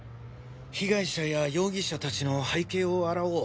被害者や容疑者たちの背景を洗おう。